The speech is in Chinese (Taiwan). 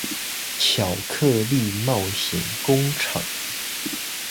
巧克力冒險工廠